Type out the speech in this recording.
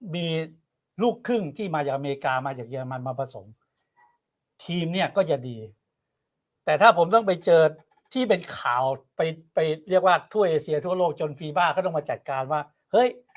มีลูกครึ่งที่มาจากอเมริกามาจากเยอรมันมาผสมทีมเนี่ยก็จะดีแต่ถ้าผมต้องไปเจอที่เป็นข่าวไปไปเรียกว่าทั่วเอเซียทั่วโลกจนฟีบ้าก็ต้องมาจัดการว่าเฮ้ย